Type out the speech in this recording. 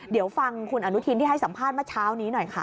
เดี๋ยวฟังคุณอนุทินที่ให้สัมภาษณ์เมื่อเช้านี้หน่อยค่ะ